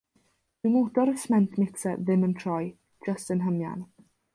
Dyw motor y sment micsar ddim yn troi, jyst yn hymian.